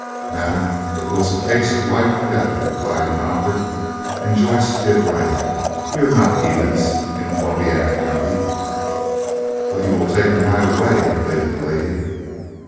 "Madam, it was a case of life or death," replied the Doctor. "Joyce did right. We are not heathens in Columbiana County." "But you will take him right away?" pleaded the lady.